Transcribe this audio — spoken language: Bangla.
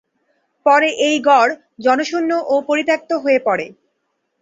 পরে এই গড় জনশূন্য ও পরিত্যক্ত হয়ে পড়ে।